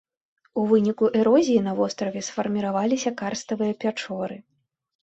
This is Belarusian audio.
У выніку эрозіі на востраве сфарміраваліся карставыя пячоры.